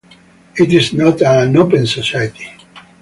It is not an "open society".